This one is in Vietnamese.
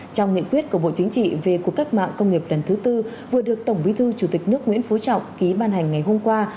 trong nghị quyết của bộ chính trị về cuộc cách mạng công nghiệp lần thứ tư vừa được tổng bí thư chủ tịch nước nguyễn phú trọng ký ban hành ngày hôm qua